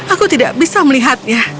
aku tidak bisa melihatnya